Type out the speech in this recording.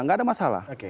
gak ada masalah